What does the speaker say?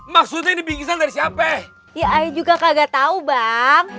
maksudnya ini pingsan dari siapa ya aja juga kagak tahu bang